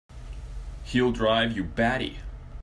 He'll drive you batty!